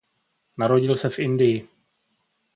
Narodil se v Indii.